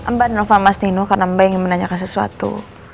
mbak dan lufa mas nino karena mbak ingin menanyakan sesuatu